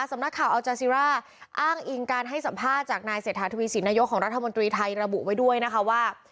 สำนักข่าวอัลจาซิร่าอ้างอิงการให้สัมภาษณ์จากนายเศรษฐาทวีสินนายกของรัฐมนตรีไทยระบุไว้ด้วยนะคะว่า